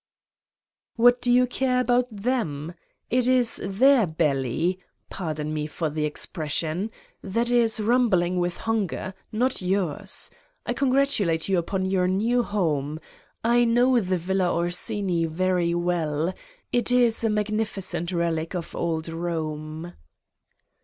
"What do you care about them? It is their belly pardon me for the expression that is rumbling with hunger, not yours. I congratulate 90 ' Satan's Diary you upon your new home : I know the Villa Orsini very well. It is a magnificent relic of Old Borne.